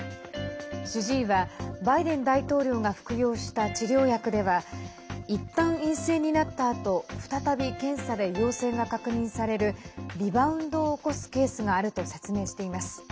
主治医は、バイデン大統領が服用した治療薬ではいったん陰性になったあと再び検査で陽性が確認されるリバウンドを起こすケースがあると説明しています。